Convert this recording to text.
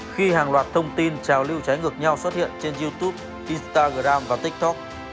khi hàng loạt thông tin trào lưu trái ngược nhau xuất hiện trên youtube instagram và tiktok